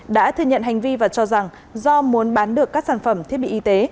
đã thừa nhận hành vi và cho rằng do muốn bán được các sản phẩm thiết bị y tế